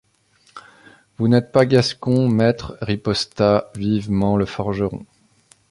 Vous n'êtes pas gascon, maître, riposta vivement le forgeron.